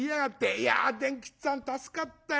いや伝吉っつぁん助かったよ。